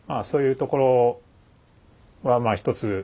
そういうところはまあ一つ